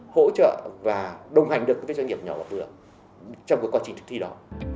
hỗ trợ và đồng hành được với doanh nghiệp nhỏ bảo vừa trong quá trình thực thi đó